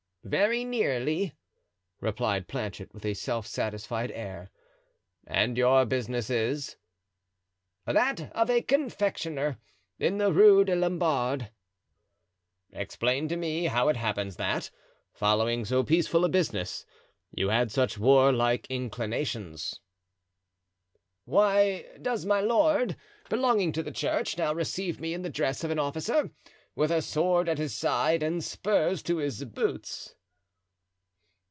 "Very nearly," replied Planchet, with a self satisfied air. "And your business is——" "That of a confectioner, in the Rue des Lombards." "Explain to me how it happens that, following so peaceful a business, you had such warlike inclinations." "Why does my lord, belonging to the church, now receive me in the dress of an officer, with a sword at his side and spurs to his boots?"